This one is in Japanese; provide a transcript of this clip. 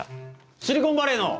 シリコンバレーの！